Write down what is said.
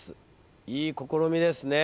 いい試みですね。